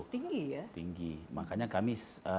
tinggi ya tinggi makanya kami